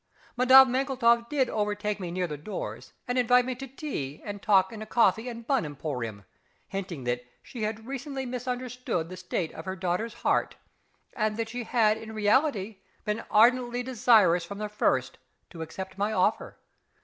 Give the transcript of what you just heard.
Madame MANKLETOW did overtake me near the doors and invite me to tea and talk in a coffee and bun emporium, hinting that she had recently misunderstood the state of her daughter's heart, and that she had in reality been ardently desirous from the first to accept my offer.